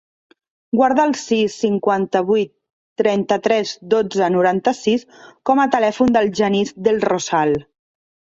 Guarda el sis, cinquanta-vuit, trenta-tres, dotze, noranta-sis com a telèfon del Genís Del Rosal.